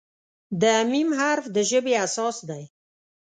د "م" حرف د ژبې اساس دی.